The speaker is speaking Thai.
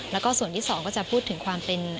แล้วก็ส่วนที่สองก็จะพูดถึงความเป็น